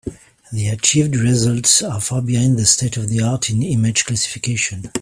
The achieved results are far behind the state-of-the-art in image classification.